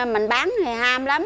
mình bán thì ham lắm